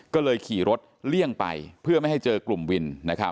ก็เลยขี่รถเลี่ยงไปเพื่อไม่ให้เจอกลุ่มวิน